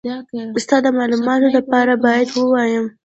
ستا د مالوماتو دپاره بايد ووايم.